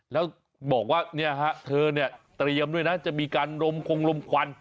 แล้วบอกว่าเนี่ยฮะเธอเนี่ยเตรียมด้วยนะจะมีการลมคงลมควัน